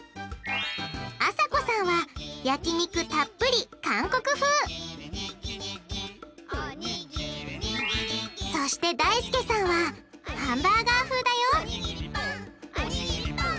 あさこさんは焼き肉たっぷり韓国風そしてだいすけさんはハンバーガー風だよ！